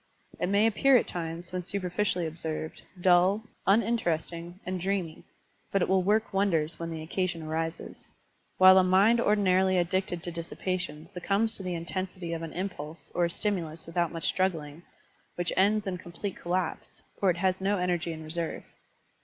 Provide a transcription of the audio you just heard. It may appear at times, when superficially observed, duU, tminteresting, and dreamy, but it will work wonders when the occasion arises; while a mind ordinarily addicted to dissipation Digitized by Google PRACTICE OF DHYANA 1 53 succtimbs to the intensity of an impulse or a stimulus without much struggling, which ends in complete collapse, for it has no energy in reserve.